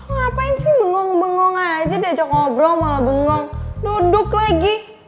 ngapain sih bengong bengong aja diajak ngobrol malah bengong nunduk lagi